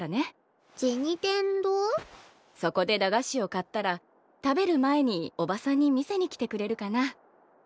そこで駄菓子を買ったら食べる前におばさんに見せに来てくれるかな？